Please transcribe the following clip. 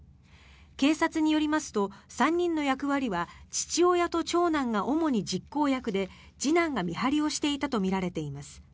警察によりますと３人の役割は父親と長男が主に実行役で次男が見張りをしていたとみられています。